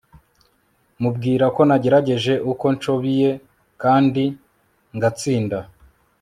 mubwira ko nagerageje uko nshobiye kandi ngatsinda